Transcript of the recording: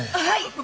はい！